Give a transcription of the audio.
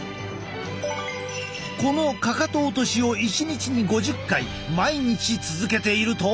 このかかと落としを１日に５０回毎日続けていると。